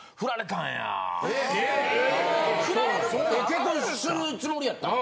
・結婚するつもりやったん？